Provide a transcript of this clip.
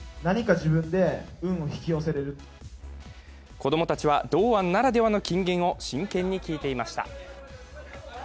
子供たちは堂安ならではの金言を真剣に聞いていました。